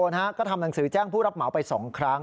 ก็ทำหนังสือแจ้งผู้รับเหมาไป๒ครั้ง